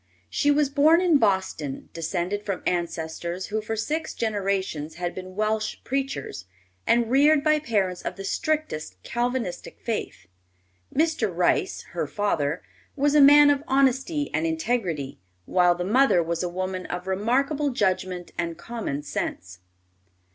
She was born in Boston, descended from ancestors who for six generations had been Welsh preachers, and reared by parents of the strictest Calvinistic faith. Mr. Rice, her father, was a man of honesty and integrity, while the mother was a woman of remarkable judgment and common sense.